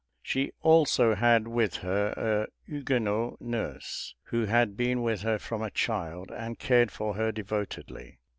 She also had with her a Huguenot nurse, who had been with her from a child, and cared for her devotedly.